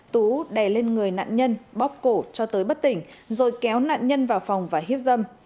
tú đè lên người nạn nhân bóc cổ cho tới bất tỉnh rồi kéo nạn nhân vào phòng và hiếp dâm